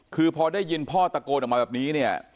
คือพอได้ยินพ่อตะโกนออกมาแบบนี้เนี่ย